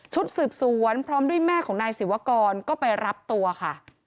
สืบสวนพร้อมด้วยแม่ของนายศิวากรก็ไปรับตัวค่ะ